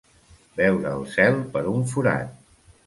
Veure el cel per un forat.